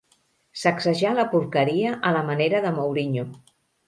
Sacsejà la porqueria a la manera de Mourinho.